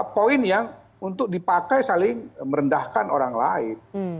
poin yang untuk dipakai saling merendahkan orang lain